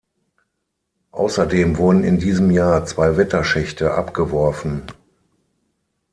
Außerdem wurden in diesem Jahr zwei Wetterschächte abgeworfen.